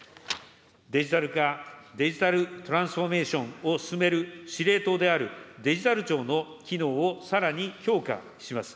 デジタル化、デジタルトランスフォーメーションを進める司令塔である、デジタル庁の機能をさらに強化します。